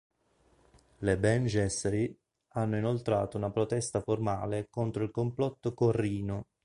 Le Bene Gesserit hanno inoltrato una protesta formale contro il complotto Corrino.